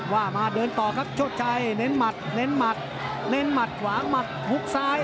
ว่ามาเดินต่อครับโชชัยเน้นหมัดเน้นหมัดเน้นหมัดขวาหมัดฮุกซ้าย